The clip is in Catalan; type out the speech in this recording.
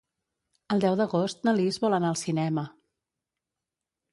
El deu d'agost na Lis vol anar al cinema.